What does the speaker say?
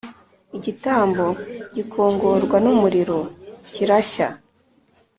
igitambo gikongorwa n umuriro cyirashya